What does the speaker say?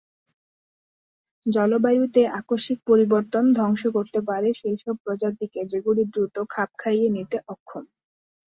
জলবায়ুতে আকস্মিক পরিবর্তন ধ্বংস করতে পারে সেইসব প্রজাতিকে যেগুলি দ্রুত খাপ খাইয়ে নিতে অক্ষম।